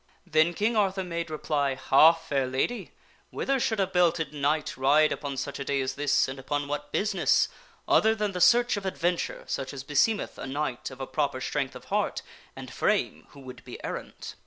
Then King Arthur made reply :" Ha ! fair lady ! whither should a belted knight ride upon such a day as this, and upon what business, other than the search of adventure such as beseemeth a knight of a proper strength of heart and frame who would be errant?